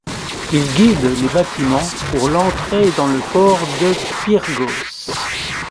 Il guide les bâtiments pour l'entrée dans le port de Pyrgos.